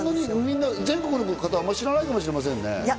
全国の方、あまり知らないかもしれませんね。